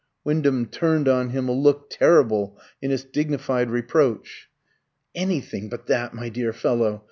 Wyndham turned on him a look terrible in its dignified reproach. "Anything but that, my dear fellow.